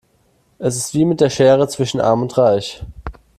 Es ist wie mit der Schere zwischen arm und reich.